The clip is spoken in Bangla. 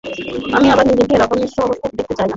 আমি আবার নিজেকে ওরকম নিঃস্ব অবস্থায় দেখতে চাই না।